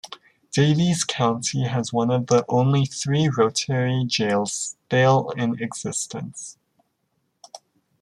Daviess County has one of only three Rotary Jails still in existence.